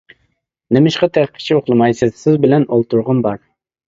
نېمىشقا تېخىچە ئۇخلىمايسىز؟ -سىز بىلەن ئولتۇرغۇم بار.